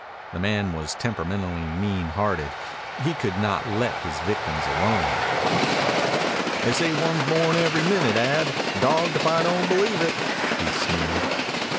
The man was temperamentally mean hearted. He could not let his victims alone. "They say one's born every minute, Ad. Dawged if I don't believe it," he sneered.